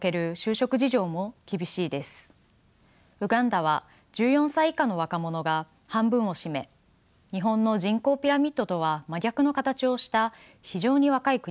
ウガンダは１４歳以下の若者が半分を占め日本の人口ピラミッドとは真逆の形をした非常に若い国です。